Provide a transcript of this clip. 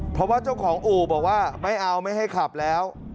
เพราะว่าเจ้าของอู่บอกว่าไม่เอาไม่ให้ขับแล้ว